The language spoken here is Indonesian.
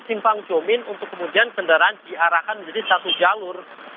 simpang jomin untuk kemudian kendaraan diarahkan menjadi satu jalur